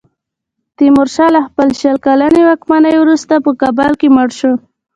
تیمورشاه له خپلې شل کلنې واکمنۍ وروسته په کابل کې مړ شو.